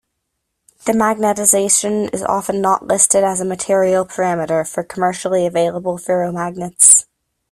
The magnetization is often not listed as a material parameter for commercially available ferromagnets.